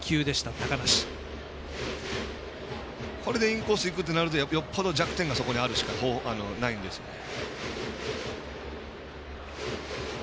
これでインコースいくとなるとよっぽど弱点がそこにあるしかないんですよね。